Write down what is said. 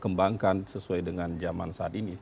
kembangkan sesuai dengan zaman saat ini